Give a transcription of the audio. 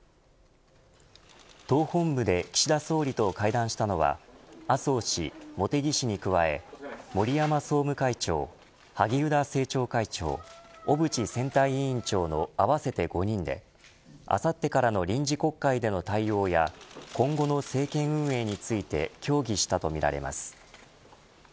党本部で岸田総理と会談したのは麻生氏、茂木氏に加え森山総務会長萩生田政調会長小渕選対委員長の合わせて５人であさってからの臨時国会での対応や今後の政権運営について協議したとみられます。